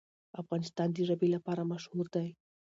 افغانستان د ژبې لپاره مشهور دی.